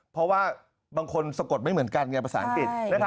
เพราะว่าบางคนสะกดไม่เหมือนกันไงภาษาอังกฤษ